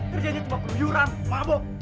kerjanya cuma keruyuran mabok